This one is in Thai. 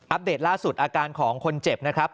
เดตล่าสุดอาการของคนเจ็บนะครับ